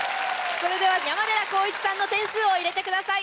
それでは山寺宏一さんの点数を入れてください。